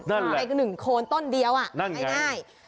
นั่นแหละอีก๑โคนต้นเดียวน่ะง่าย